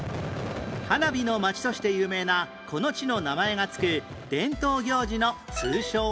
花火のまちとして有名なこの地の名前が付く伝統行事の通称は？